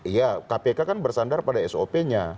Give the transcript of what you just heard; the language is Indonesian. iya kpk kan bersandar pada sop nya